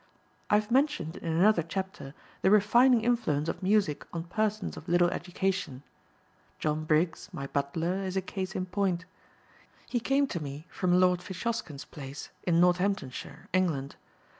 "I have mentioned in another chapter the refining influence of music on persons of little education. John Briggs, my butler, is a case in point. He came to me from Lord Fitzhosken's place in Northamptonshire, England.